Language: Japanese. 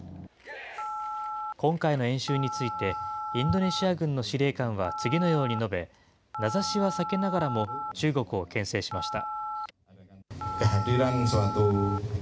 今回の演習について、インドネシア軍の司令官は次のように述べ、名指しは避けながらも、中国をけん制しました。